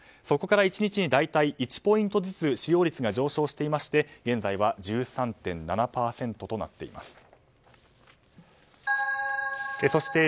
そこから１日に大体１ポイントずつ使用率が上昇していまして現在は１３．７％となっています。